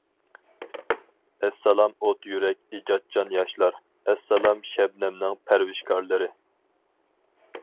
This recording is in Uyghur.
ئەسسالام ئوت يۈرەك ئىجادچان ياشلار، ئەسسالام شەبنەمنىڭ پەرۋىشكارلىرى.